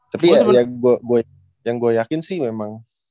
tapi ya yang gue yakin sih memang